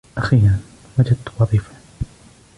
أخيراً ، وجدت وظيفة.